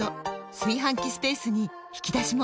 炊飯器スペースに引き出しも！